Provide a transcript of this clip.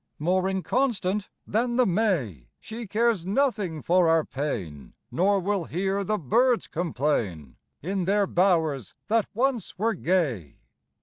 More inconstant than the May, She cares nothing for our pain, Nor will hear the birds complain In their bowers that once were gay.